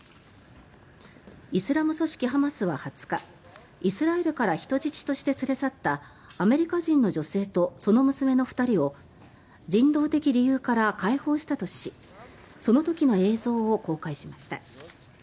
イスラム組織ハマスは２０日イスラエルから人質として連れ去ったアメリカ人の女性とその娘の２人を人道的理由から解放したとしその時の映像を公開しました。